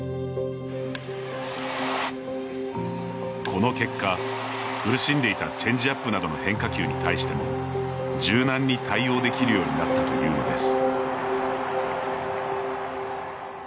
この結果、苦しんでいたチェンジアップなどの変化球に対しても柔軟に対応できるようになったというのです。